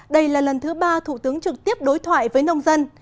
đây là lần thứ ba thủ tướng trực tiếp đối thoại với nông dân